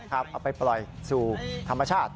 เอาไปปล่อยสู่ธรรมชาติ